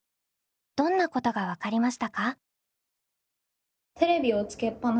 どんなことが分かりましたか？